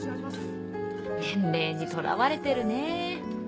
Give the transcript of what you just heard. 年齢にとらわれてるね。